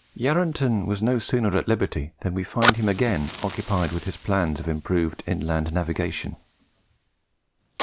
Yarranton was no sooner at liberty than we find him again occupied with his plans of improved inland navigation.